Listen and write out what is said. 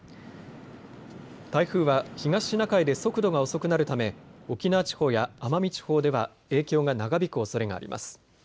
台風は東シナ海で速度が遅くなるため、沖縄地方や奄美地方では影響が長引くおそれがあります。